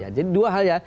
ya jadi dua hal ya